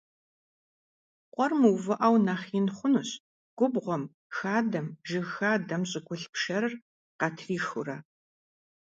Къуэр мыувыӀэу нэхъ ин хъунущ, губгъуэм, хадэм, жыг хадэм щӀыгулъ пшэрыр къатрихыурэ.